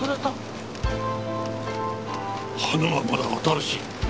花がまだ新しい。